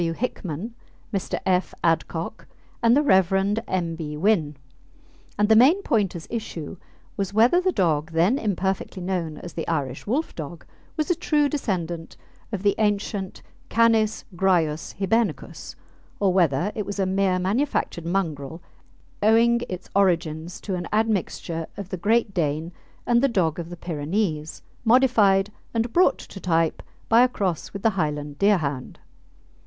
W. Hickman, Mr. F. Adcock, and the Rev. M. B. Wynn, and the main point as issue was whether the dog then imperfectly known as the Irish Wolfdog was a true descendant of the ancient Canis graius Hibernicus, or whether it was a mere manufactured mongrel, owing its origin to an admixture of the Great Dane and the dog of the Pyrenees, modified and brought to type by a cross with the Highland Deerhound.